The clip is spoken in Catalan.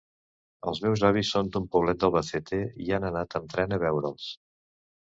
Els meus avis són d'un poblet d'Albacete i han anat amb tren a veure'ls.